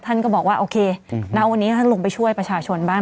ท่านก็บอกว่าโอเคณวันนี้ท่านลงไปช่วยประชาชนบ้าง